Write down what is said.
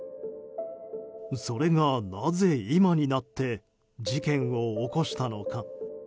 それがなぜ、今になって事件を起こしたのか。